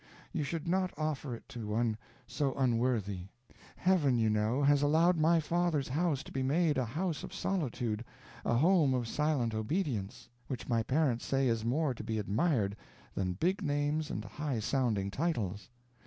_ You should not offer it to one so unworthy. Heaven, you know, has allowed my father's house to be made a house of solitude, a home of silent obedience, which my parents say is more to be admired than big names and high sounding titles.